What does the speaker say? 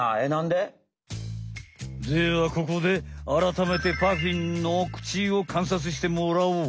ではここであらためてパフィンの口をかんさつしてもらおう。